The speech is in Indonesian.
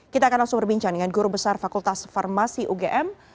kita akan langsung berbincang dengan guru besar fakultas farmasi ugm